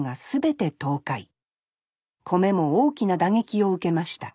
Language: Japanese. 米も大きな打撃を受けました